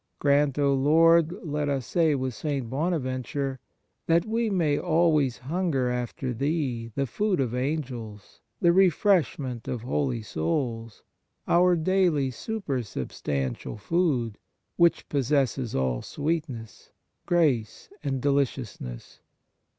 " Grant, O Lord," let us say with St. Bonaventure, " that we may always hunger after Thee, the food of Angels, the refreshment of holy souls, our daily supersubstantial food, which possesses all sweetness, grace, and deliciousness.